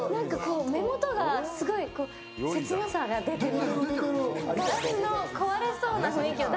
目元がすごい切なさが出てる。